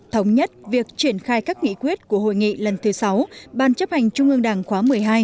thống nhất việc triển khai các nghị quyết của hội nghị lần thứ sáu ban chấp hành trung ương đảng khóa một mươi hai